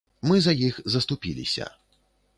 Мы за іх заступіліся.